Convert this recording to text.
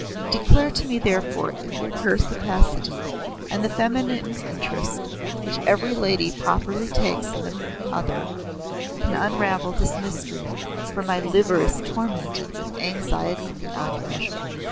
Declare to me therefore if your perspicacity and the feminine interest which every lady property takes in the other can unravel this mystery, for my liver is tormented with anxiety beyond measure."